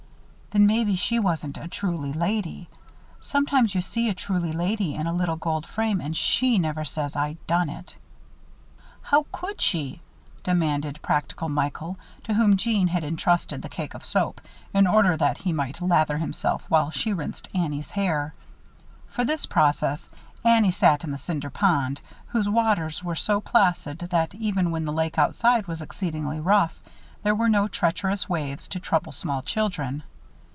"Then maybe she wasn't a truly lady. Sometimes you see a truly lady in a little gold frame and she never says 'I done it.'" "How could she?" demanded practical Michael, to whom Jeanne had intrusted the cake of soap, in order that he might lather himself while she rinsed Annie's hair. For this process, Annie sat in the Cinder Pond, whose waters were so placid that, even when the lake outside was exceedingly rough, there were no treacherous waves to trouble small children.